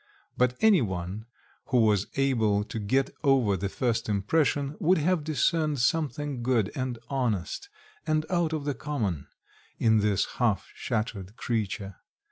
But any one who was able to get over the first impression would have discerned something good, and honest, and out of the common in this half shattered creature.